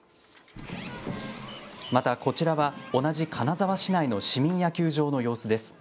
またこちらは、同じ金沢市内の市民野球場の様子です。